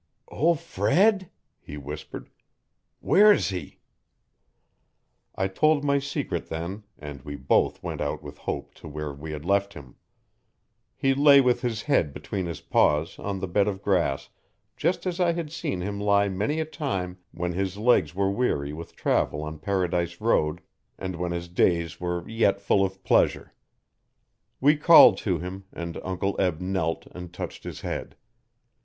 'Ol' Fred!' he whispered, 'where's he?' I told my secret then and we both went out with Hope to where we had left him. He lay with his head between his paws on the bed of grass just as I had seen him lie many a time when his legs were weary with travel on Paradise Road, and when his days were yet full of pleasure. We called to him and Uncle Eb knelt and touched his head.